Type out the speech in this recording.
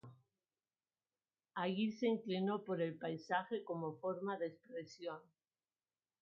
Allí se inclinó por el paisaje como forma de expresión.